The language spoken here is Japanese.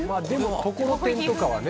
ところてんとかはね。